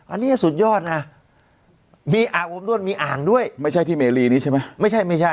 อันนี้สุดยอดนะมีอ่างอบนวดมีอ่างด้วยไม่ใช่ที่เมรีนี้ใช่ไหมไม่ใช่ไม่ใช่